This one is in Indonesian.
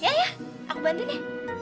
ya ya aku bantuin ya